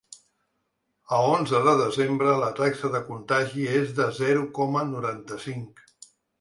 A onze de desembre, la taxa de contagi és de zero coma noranta-cinc.